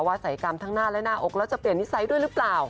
ศัยกรรมทั้งหน้าและหน้าอกแล้วจะเปลี่ยนนิสัยด้วยหรือเปล่า